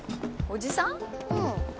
おじさん？